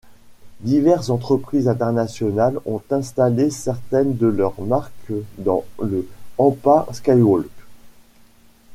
Diverses entreprises internationales ont installé certaines de leurs marques dans le Ampa Skywalk.